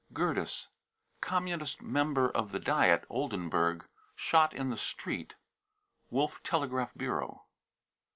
gerdes, Communist Member of the Diet, Oldenburg. Shot in the street. ( Wolff Telegraph Bureau.)